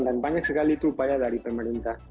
dan banyak sekali itu upaya dari pemerintah